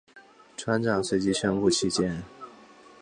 船长随即宣布弃舰。